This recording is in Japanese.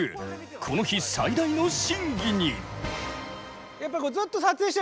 この日最大の審議に。